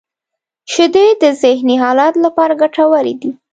• شیدې د ذهنی حالت لپاره ګټورې دي.